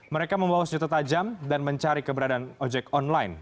mereka membawa senjata tajam dan mencari keberadaan ojek online